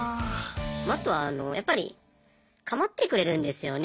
あとはあのやっぱり構ってくれるんですよね。